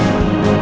ya allah ya allah